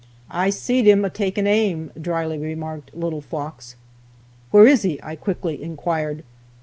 "I seed him a takin' aim," dryly remarked little Fox. "Where is he?" I quickly inquired.